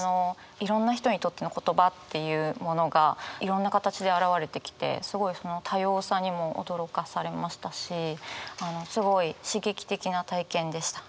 いろんな人にとっての言葉っていうものがいろんな形であらわれてきてすごいその多様さにも驚かされましたしすごい刺激的な体験でした。